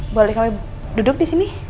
boleh kami duduk di sini